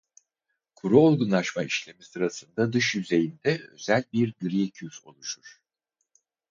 Kuru olgunlaşma işlemi sırasında dış yüzeyinde özel bir gri küf oluşur.